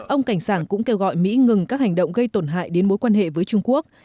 ông cảnh sảng cũng kêu gọi mỹ ngừng các hành động gây tổn hại đến mối quan hệ với trung quốc